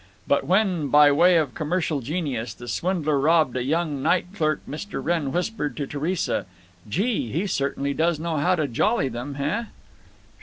But when, by way of commercial genius, the swindler robbed a young night clerk Mr. Wrenn whispered to Theresa, "Gee! he certainly does know how to jolly them, heh?"